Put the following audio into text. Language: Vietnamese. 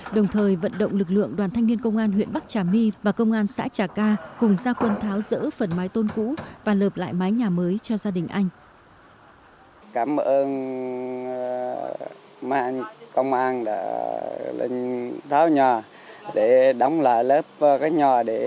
đồng thời vận động lực lượng đoàn thanh niên công an huyện bắc trà my và công an xã trà ca cùng gia quân tháo rỡ phần mái tôn cũ và lợp lại mái nhà mới cho gia đình anh